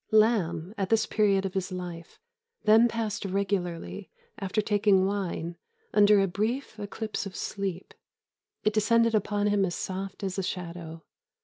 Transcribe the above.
] "Lamb, at this period of his life, then passed regularly, after taking wine, under a brief eclipse of sleep. It descended upon him as soft as a shadow.